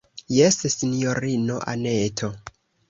Jes, sinjorino Anneto.